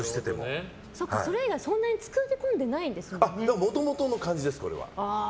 それ以外そんなにもともとの感じです、これは。